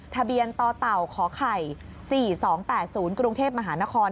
ทะเบียนตเต๋าขไข่๔๒๘๐กรุงเทพฯมหานคร